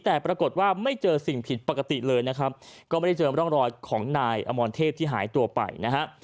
แต่ปรากฏว่าไม่เจอสิ่งผิดปกติเลยนะครับก็ไม่ได้เจอร่องรอยของนายอมรเทพที่หายตัวไปนะฮะ